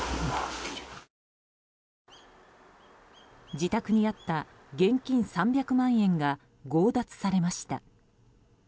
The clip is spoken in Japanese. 自宅にあった現金３００万円が強奪されました。